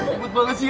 umut banget sih